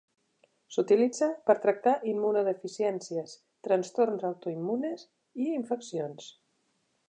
S'utilitza per tractar immunodeficiències, trastorns autoimmunes i infeccions.